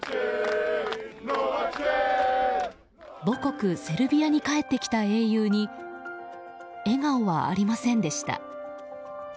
母国セルビアに帰ってきた英雄に、笑顔はありませんでした。